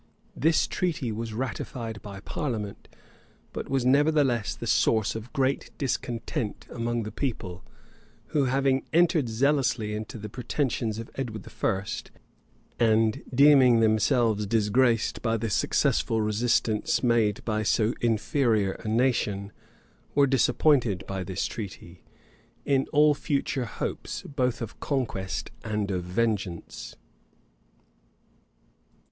This treaty was ratified by parliament;[] but was nevertheless the source of great discontent among the people, who, having entered zealously into the pretensions of Edward I., and deeming themselves disgraced by the successful resistance made by so inferior a nation, were disappointed, by this treaty, in all future hopes both of conquest and of vengeance.